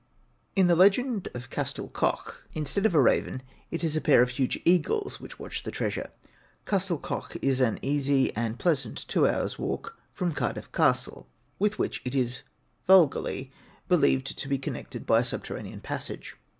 In the legend of Castell Coch, instead of a raven it is a pair of huge eagles which watch the treasure. Castell Coch is an easy and pleasant two hours' walk from Cardiff Castle, with which it is vulgarly believed to be connected by a subterranean passage.